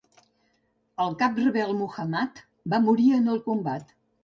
El cap rebel Muhammad va morir en el combat.